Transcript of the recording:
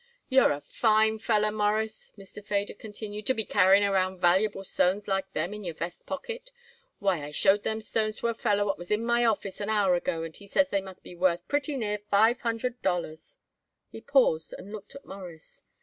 "You're a fine feller, Mawruss," Mr. Feder continued, "to be carrying around valuable stones like them in your vest pocket. Why, I showed them stones to a feller what was in my office an hour ago and he says they must be worth pretty near five hundred dollars." He paused and looked at Morris.